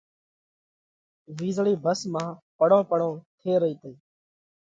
وِيزۯئِي ڀس مانه پڙون پڙون ٿي رئِي تئِي۔